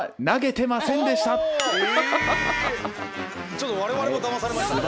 ちょっと我々もだまされましたね。